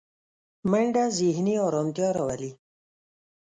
منډه ذهني ارامتیا راولي